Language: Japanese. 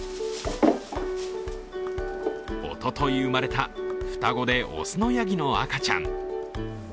おととい生まれた双子で雄のヤギの赤ちゃん。